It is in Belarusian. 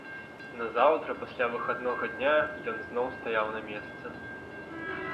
Назаўтра пасля выходнага дня ён зноў стаяў на месцы.